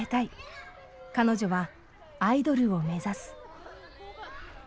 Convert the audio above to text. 彼女はアイドルを目指す。